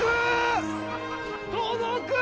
届く！